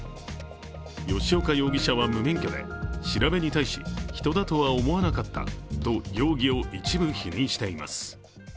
吉岡容疑者は無免許で、調べに対し人だとは思わなかったと容疑を一部否認しています。